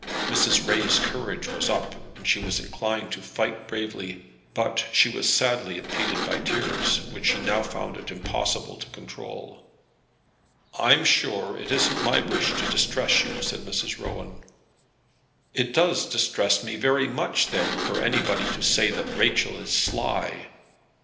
Mrs. Ray's courage was up, and she was inclined to fight bravely, but she was sadly impeded by tears, which she now found it impossible to control. "I'm sure it isn't my wish to distress you," said Mrs. Rowan. "It does distress me very much, then, for anybody to say that Rachel is sly."